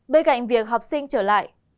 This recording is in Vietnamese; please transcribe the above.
bê gạnh việc học sinh trở lại